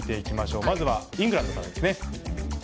まずは、イングランドからです。